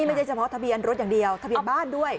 ไม่ใช่เฉพาะทะเบียนรถอย่างเดียวทะเบียนบ้านด้วย